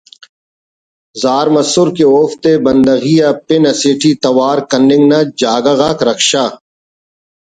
زار مسر کہ اوفتے بندغی ءُ پن اسے ٹی توار کننگ نا جاگہ غا رکشہ